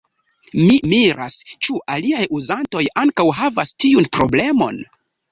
Mi miras, ĉu aliaj Uzantoj ankaŭ havas tiun Problemon.